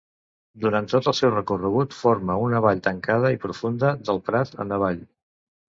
Durant tot el seu recorregut forma una vall tancada i profunda del Prat en avall.